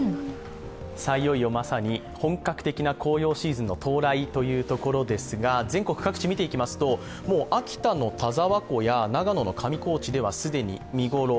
いよいよまさに本格的な紅葉シーズンの到来というところですが、全国各地見ていきますと秋田の田沢湖や長野の上高地では既に見頃。